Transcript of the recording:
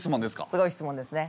すごい質問ですね。